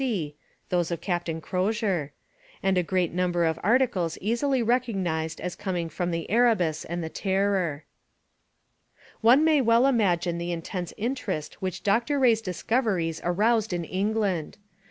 C. (those of Captain Crozier), and a great number of articles easily recognized as coming from the Erebus and the Terror. One may well imagine the intense interest which Dr Rae's discoveries aroused in England.